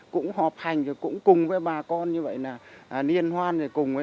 cũng hợp hành cũng cùng với bà con như vậy là niên hoan